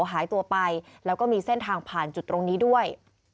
หายตัวไปแล้วก็มีเส้นทางผ่านจุดตรงนี้ด้วย